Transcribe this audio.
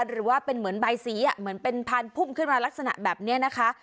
หรือว่าเป็นเหมือนใบสีเหมือนเป็นพานพุ่มขึ้นมาลักษณะแบบนี้นะคะ